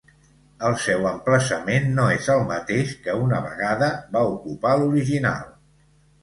El seu emplaçament no és el mateix que una vegada va ocupar l'original.